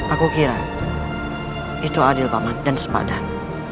aku kira itu adil paman dan sepadan